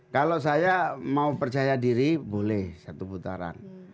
kalau saya mau percaya diri boleh satu putaran